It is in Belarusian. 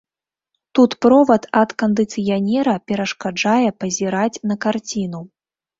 Тут провад ад кандыцыянера перашкаджае пазіраць на карціну.